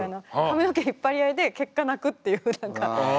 髪の毛引っ張り合いで結果泣くっていう何か。